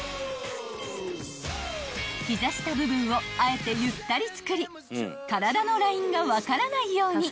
［膝下部分をあえてゆったり作り体のラインが分からないように］